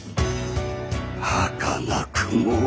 はかなくも。